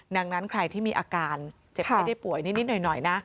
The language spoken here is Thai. ดังนั้นใครที่มีอาการเจ็บไข้ได้ป่วยนิดหน่อยนะ